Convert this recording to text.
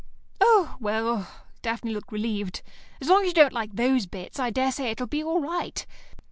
"Oh, well," Daphne looked relieved. "As long as you don't like those bits, I daresay it'll be all right.